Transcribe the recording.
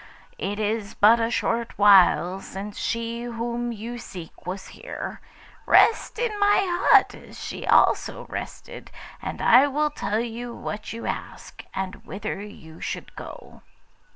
It is but a short while since she whom you seek was here. Rest in my hut, as she also rested, and I will tell you what you ask, and whither you should go.